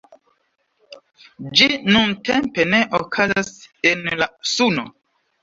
Ĝi nuntempe ne okazas en la Suno.